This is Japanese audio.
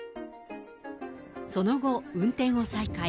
その後、運転を再開。